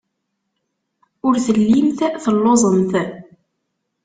Ur tellimt telluẓemt.